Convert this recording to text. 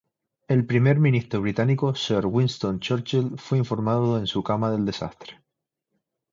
El Primer Ministro británico "Sir" Winston Churchill fue informado en su cama del desastre.